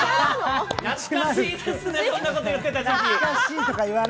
懐かしいですね、こんなことを言ってた時期。